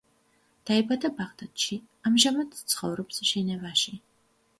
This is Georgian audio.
დაიბადა ბაღდადში, ამჟამად ცხოვრობს ჟენევაში.